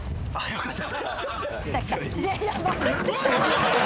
よかった。